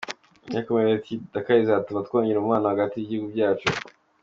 Yakomeje agira ati “Dakar izatuma twongera umubano hagati y’ibihugu byacu.